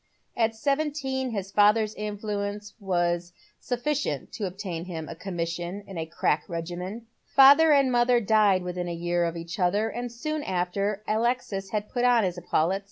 At seventeen his father's influence was sufficient to obtain him a commission in a crack regiment. Father and mother died within a year of each other, and soon after Aloxis had put on his epaulettes.